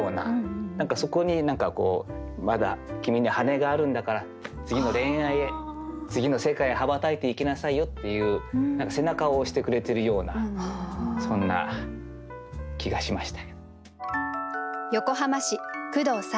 何かそこに「まだきみに羽根があるんだから次の恋愛へ次の世界へ羽ばたいていきなさいよ」っていう何か背中を押してくれてるようなそんな気がしました。